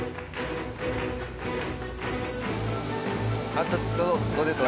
あっどうですか？